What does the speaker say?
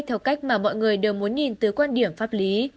theo cách mà mọi người đều muốn nhìn từ quan điểm pháp lý